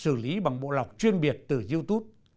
các doanh nghiệp được xử lý bằng bộ lọc chuyên biệt từ youtube